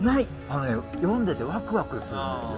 あのね読んでてワクワクするんですよね。